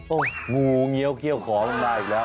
โอ้โหงูเงี้ยวเขี้ยวขอลงมาอีกแล้ว